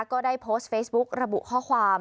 ก็ได้โพสต์เฟซบุ๊กระบุข้อความ